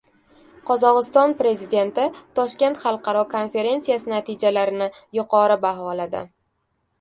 Qozog‘iston prezidenti Toshkent xalqaro konferentsiyasi natijalarini yuqori baholadi